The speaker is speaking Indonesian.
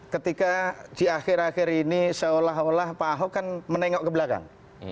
ketika di akhir akhir ini seolah olah pak ahok kan menengok ke belakang